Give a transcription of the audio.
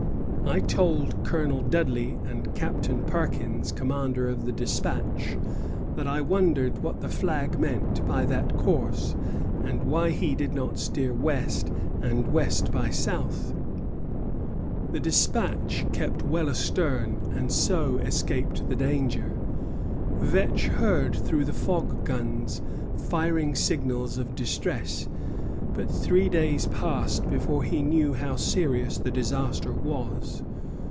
"I told Colonel Dudley and Captain Perkins, commander of the 'Despatch,' that I wondered what the Flag meant by that course, and why he did not steer west and west by south." The "Despatch" kept well astern, and so escaped the danger. Vetch heard through the fog guns firing signals of distress; but three days passed before he knew how serious the disaster was.